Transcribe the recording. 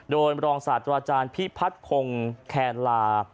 โดยมรองศาสตร์ตัวอาจารย์พิพัฒน์คงแขนลา